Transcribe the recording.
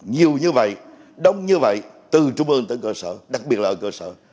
nhiều như vậy đông như vậy từ trung ương tới cơ sở đặc biệt là ở cơ sở